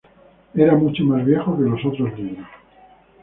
Era mucho más viejo que los otros libros.